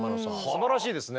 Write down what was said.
すばらしいですね。